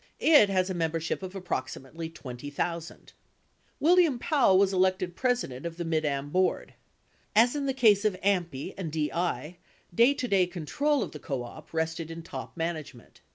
It has a membership of approximately 20,000. William Powell was elected president of the Mid Am board. As in the case of AMPI and DI, day to day control of the co op rested in top management.